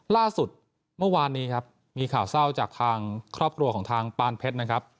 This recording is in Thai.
ล่าสุดเมื่อวานนี้ครับมีข่าวเศร้าจากทางครอบครัวของทางปานเพชรนะครับ